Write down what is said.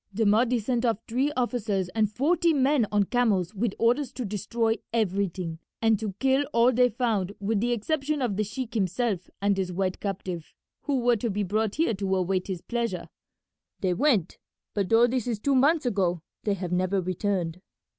The Mahdi sent off three officers and forty men on camels with orders to destroy everything, and to kill all they found with the exception of the sheik himself and his white captive, who were to be brought here to await his pleasure. They went, but though this is two months ago they have never returned.